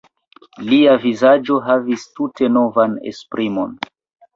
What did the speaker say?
Lia vizaĝo havis tute novan esprimon.